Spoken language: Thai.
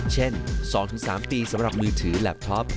เช่น๒๓ปีสำหรับมือถือแหลบท็อป